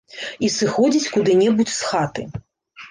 І сыходзіць куды-небудзь з хаты.